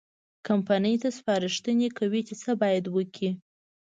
کمپنۍ ته سپارښتنې کوي چې څه باید وکړي.